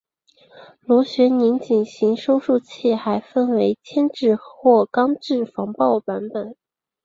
螺旋拧紧型收束器还分为铅制或钢制防爆版本。